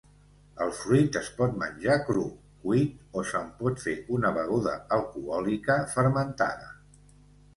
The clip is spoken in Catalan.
El fruit es pot menjar cru, cuit o se'n pot fer una beguda alcohòlica fermentada.